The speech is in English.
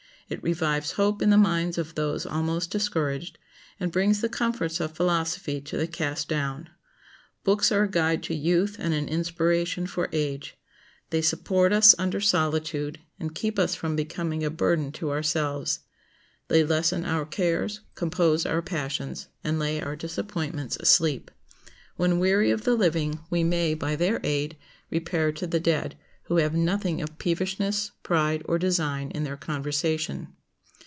It revives hope in the minds of those almost discouraged, and brings the comforts of philosophy to the cast down. Books are a guide to youth and an inspiration for age. They support us under solitude, and keep us from becoming a burden to ourselves. They lessen our cares, compose our passions, and lay our disappointments asleep. When weary of the living, we may, by their aid, repair to the dead, who have nothing of peevishness, pride, or design in their conversation.